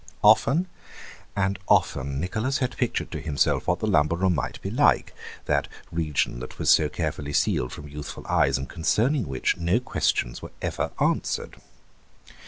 Often and often Nicholas had pictured to himself what the lumber room might be like, that region that was so carefully sealed from youthful eyes and concerning which no questions were ever answered.